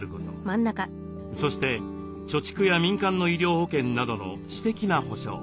そして貯蓄や民間の医療保険などの私的な保障。